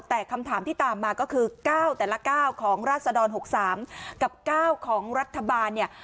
แต่คำถามที่ตามมาก็คือ๙แต่ละ๙ของราศดร๖๓กับ๙ของรัฐบาลเนี่ย